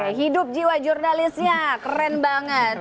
oke hidup jiwa jurnalisnya keren banget